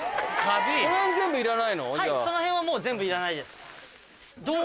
はいその辺はもう全部いらないです。